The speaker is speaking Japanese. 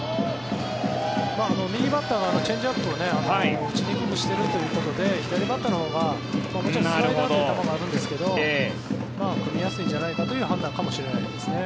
右バッターにはチェンジアップを打ちにくくしているというので左バッターのほうがスライダーという球があるんですけど組みやすいんじゃないかという判断かもしれないですね。